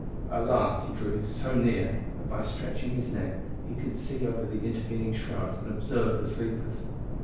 At last he drew so near that by stretching his neck he could see over the intervening shrubs and observe the sleepers.